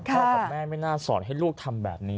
กับแม่ไม่น่าสอนให้ลูกทำแบบนี้